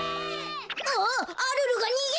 あっアルルがにげちゃう！